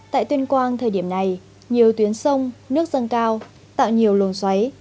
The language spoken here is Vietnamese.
tại tuyên quang thời điểm này nhiều tuyến sông nước dâng cao tạo nhiều luồng xoáy